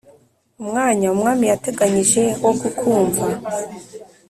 Umwanya umwami yateganyije wo kukumva